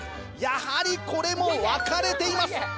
やはりこれも分かれています！